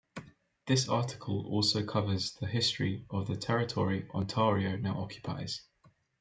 This article also covers the history of the territory Ontario now occupies.